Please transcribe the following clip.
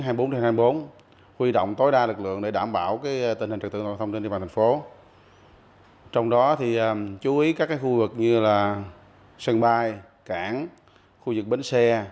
huy động tối đa lực lượng để đảm bảo tình hình trật tự an toàn giao thông trên địa bàn thành phố